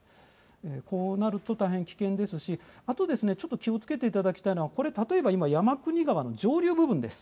こうなると大変危険ですしあと気をつけていただきたいのがこれは例えば、山国川の上流部分です。